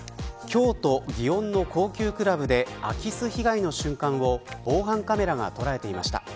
京都、祇園の高級クラブで空き巣被害の瞬間を防犯カメラが捉えていました。